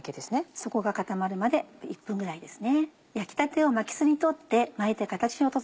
底が固まるまで１分ぐらいですね。